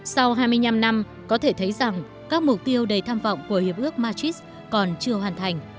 sau hai mươi năm năm có thể thấy rằng các mục tiêu đầy tham vọng của hiệp ước matrix còn chưa hoàn thành